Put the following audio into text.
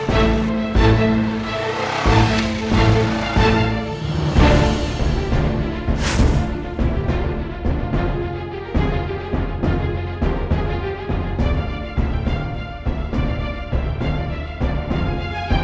telepon juga deh mereka